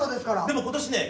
でも今年ね